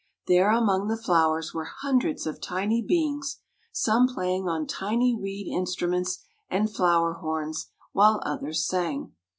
There among the flowers were hundreds of tiny beings, some playing on tiny reed instruments and flower horns, while others sang.